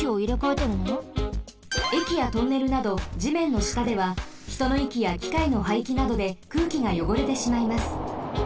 えきやトンネルなどじめんのしたではひとのいきやきかいのはいきなどで空気がよごれてしまいます。